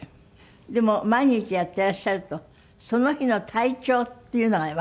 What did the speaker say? でも毎日やってらっしゃるとその日の体調っていうのがわかるんですって？